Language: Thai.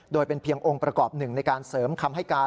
โดยเป็นเพียงองค์ประกอบหนึ่งในการเสริมคำให้การ